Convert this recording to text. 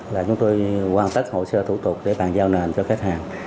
là chúng tôi hoàn tất hồ sơ thủ tục để bàn giao nền cho khách hàng